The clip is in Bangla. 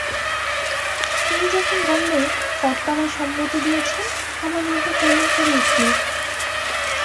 তুমি যখন বললে কর্তা-মা সম্মতি দিয়েছেন, আমার মনটা কেমন করে উঠল।